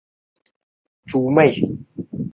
历代刊传的琴谱中还没有此曲。